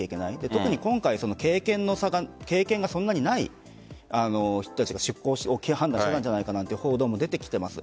特に今回の経験がそんなにない人たちが出港したんじゃないかという報道も出てきています。